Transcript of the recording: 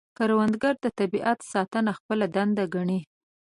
کروندګر د طبیعت ساتنه خپله دنده ګڼي